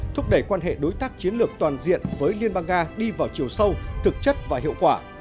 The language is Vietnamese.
thúc đẩy quan hệ đối tác chiến lược toàn diện với liên bang nga đi vào chiều sâu thực chất và hiệu quả